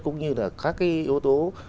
cũng như là các cái yếu tố